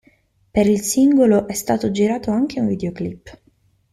Per il singolo è stato girato anche un videoclip.